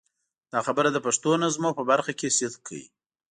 دا خبره د پښتو نظمونو په برخه کې صدق کوي.